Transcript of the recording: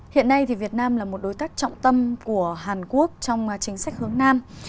hiện nay việt nam là một đối tác trọng tâm của hàn quốc trong chính sách hướng nam